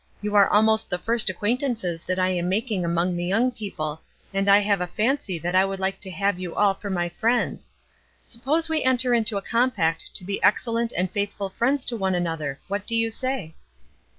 You are almost the first acquaintances that I am making among the young people, and I have a fancy that I would like to have you all for my friends. Suppose we enter into a compact to be excellent and faithful friends to one another? What do you say?"